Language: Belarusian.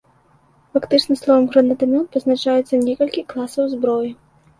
Фактычна словам гранатамёт пазначаюцца некалькі класаў зброі.